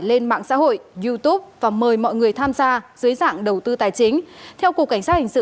lên mạng xã hội youtube và mời mọi người tham gia dưới dạng đầu tư tài chính theo cục cảnh sát hình sự